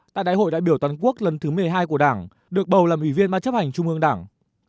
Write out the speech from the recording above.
tại đại hội đại biểu toàn quốc lần thứ một mươi hai của đảng được bầu làm ủy viên ban chấp hành trung ương đảng